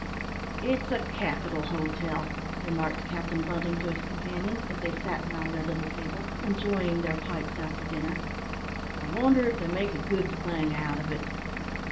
"It's a capital hotel," remarked Captain Bunting to his companions, as they sat round their little table, enjoying their pipes after dinner; "I wonder if they make a good thing out of it?"